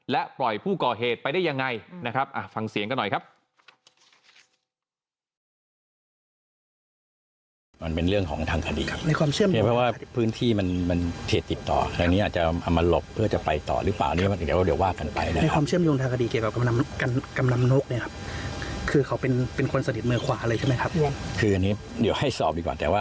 และปล่อยผู้ก่อเหตุไปได้ยังไงนะครับฟังเสียงกันหน่อยครับ